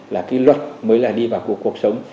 là cái luật mới là đi vào cuộc sống